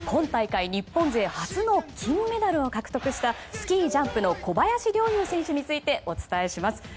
それでは続いては今大会、日本勢初の金メダルを獲得したスキージャンプの小林陵侑選手についてお伝えします。